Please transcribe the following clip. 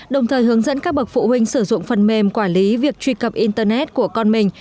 đồng thời hướng dẫn các bậc phụ huynh sử dụng phần mềm quản lý việc truy cập internet của con mình